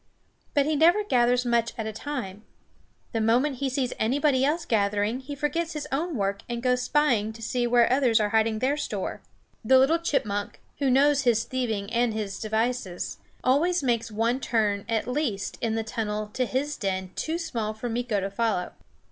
But he never gathers much at a time. The moment he sees anybody else gathering he forgets his own work and goes spying to see where others are hiding their store. The little chipmunk, who knows his thieving and his devices, always makes one turn, at least, in the tunnel to his den too small for Meeko to follow.